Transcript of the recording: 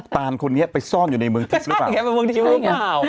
ตานคนนี้ไปซ่อนอยู่ในเมืองทิพย์หรือเปล่า